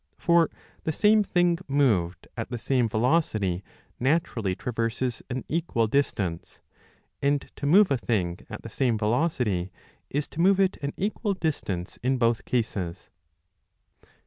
For the same thing moved at the same velocity naturally traverses an equal distance ; and to move a thing at the same velocity is to move it an equal distance in both cases.